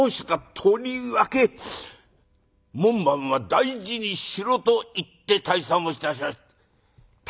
「とりわけ門番は大事にしろと言って退散をいたしました」。